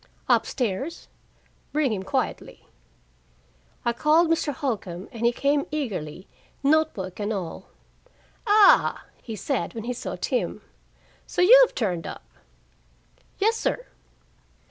"Up stairs." "Bring him quietly." I called Mr. Holcombe, and he came eagerly, note book and all. "Ah!" he said, when he saw Tim. "So you've turned up!" "Yes, sir."